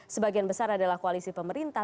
sebagian besar adalah koalisi pemerintah